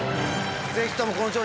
ぜひとも。